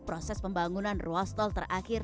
proses pembangunan ruas tol terakhir